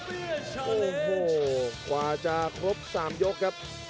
โอ้โหกว่าจะครบ๓ยกครับ